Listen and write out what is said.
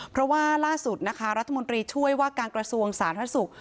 เพราะว่าล่าสุดนะคะรัฐมนตรีช่วยว่าการกระทรวงสาธารณสุข